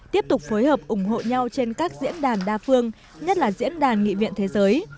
tiếp tục phối hợp ủng hộ nhau trên các diễn đàn đa phương nhất là diễn đàn nghị viện thế giới